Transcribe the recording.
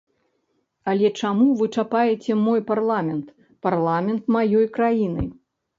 Але чаму вы чапаеце мой парламент, парламент маёй краіны?